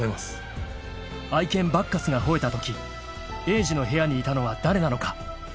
［愛犬バッカスが吠えたとき栄治の部屋にいたのは誰なのか？］